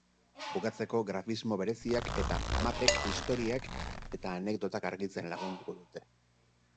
Bukatzeko, grafismo bereziak eta mapek istoriak eta anekdotak argitzen lagunduko dute.